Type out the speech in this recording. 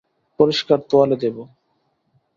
পরিষ্কার তোয়ালে দেবো।